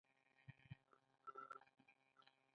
دا ډېره تهدیدوونکې لهجه وه.